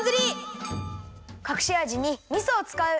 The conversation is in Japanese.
かくしあじにみそをつかう。